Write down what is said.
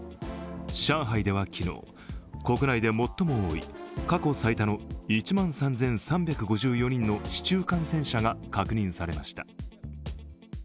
上海では昨日、国内で最も多い過去最多の１万３３５４人の市中感染者が確認されました。